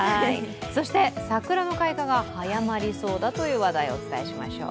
そして桜の開花が早まりそうだという話題をお伝えしましょう。